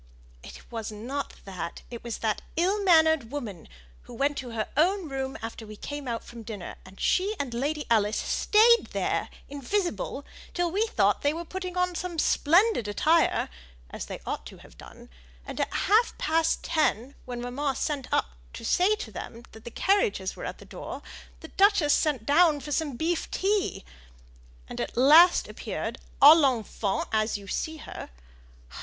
"It wasn't that; it was that ill mannered woman, who went to her own room after we came out from dinner, and she and Lady Alice stayed there invisible, till we thought they were putting on some splendid attire as they ought to have done and at half past ten, when mamma sent up to them to say the carriages were at the door, the duchess sent down for some beef tea, and at last appeared ł l'enfant as you see her.